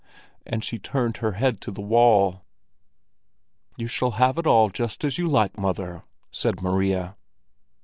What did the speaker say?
And she turned her head to the wall. "You shall have it all just as you like, mother!" said Maria.